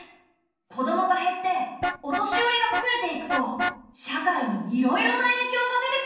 子どもが減ってお年寄りが増えていくと社会にいろいろなえいきょうが出てくるんだ。